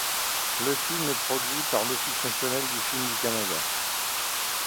Le film est produit par l'Office national du film du Canada.